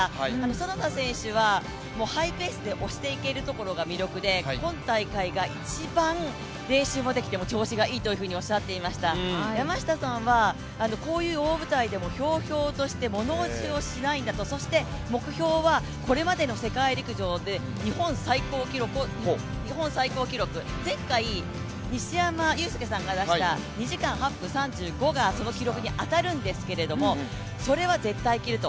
其田選手は、ハイペースで押していけるところが魅力で今大会が一番練習もできて調子がいいとおっしゃっていました山下さんはこういう大舞台でもひょうひょうとして物おじしないんだと、そして目標はこれまでの世界陸上で日本最高記録、前回、西山さんが出した２時間８分３５がその記録に当たるんですけれどもそれは絶対に切ると。